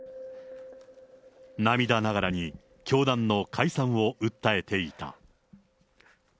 涙ながらに教団の解散を訴えていた。